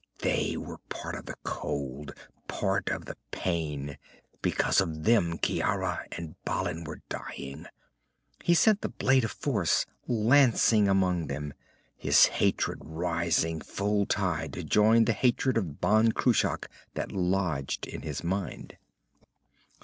They were part of the cold, part of the pain. Because of them Ciara and Balin were dying. He sent the blade of force lancing among them, his hatred rising full tide to join the hatred of Ban Cruach that lodged in his mind.